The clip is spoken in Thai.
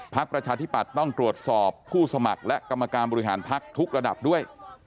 ประชาธิปัตย์ต้องตรวจสอบผู้สมัครและกรรมการบริหารพักทุกระดับด้วย